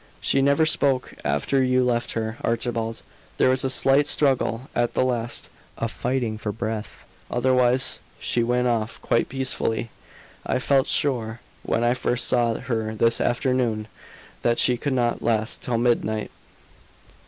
"She never spoke after you left her, Archibald. There was a slight struggle at the last, a fighting for breath, otherwise she went off quite peacefully. I felt sure, when I first saw her this afternoon, that she could not last till midnight."